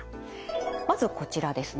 まずこちらですね。